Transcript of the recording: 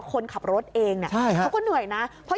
คนขับรถเองเขาก็เหนื่อยนะ